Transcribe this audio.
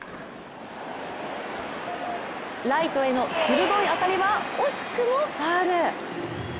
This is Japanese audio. ライトへの鋭い当たりは惜しくもファウル。